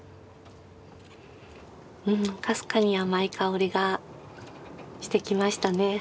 かすかに甘い香りがしてきましたね。